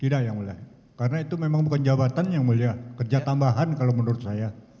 tidak yang mulia karena itu memang bukan jabatan yang mulia kerja tambahan kalau menurut saya